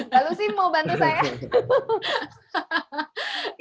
mbak lucy mau bantu saya